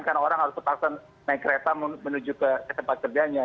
karena orang harus terpaksa naik kereta menuju ke tempat kerjanya